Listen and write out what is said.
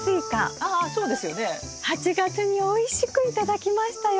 ８月においしく頂きましたよ！